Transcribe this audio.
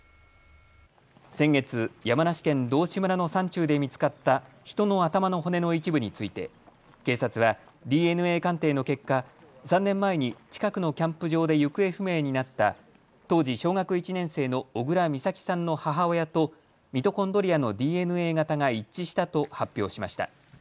先月、山梨県道志村の山中で見つかった人の頭の骨の一部について警察はＤＮＡ鑑定の結果、３年前に近くのキャンプ場で行方不明になった当時小学１年生の小倉美咲さんの母親とミトコンドリアのＤＮＡ型が一致したと発表しました。